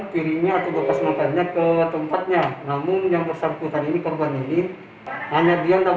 kirinya atau bekas motornya ke tempatnya namun yang bersangkutan ini korban ini hanya dia nggak